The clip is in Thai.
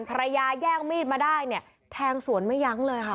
ระยะแย่งมีดมาได้เนี่ยแทงสวนไม่ยั้งเลยค่ะ